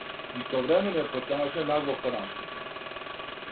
Истовремено је потражња нагло порасла.